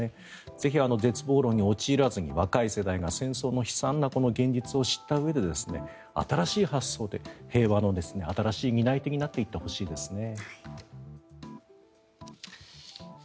ぜひ絶望論に陥らずに若い世代が戦争の悲惨な現実を知ったうえで新しい発想で平和の担い手になっていってほしいですね。